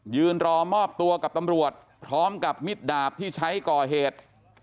ยืนรอมอบตัวกับตำรวจพร้อมกับมิดดาบที่ใช้ก่อเหตุ